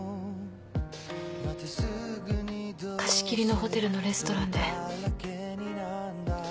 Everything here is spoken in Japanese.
貸し切りのホテルのレストランで。